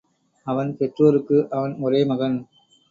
அவன் பெற்றோருக்கு அவன் ஒரே மகன்.